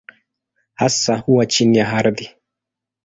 Hasa huwa chini ya ardhi.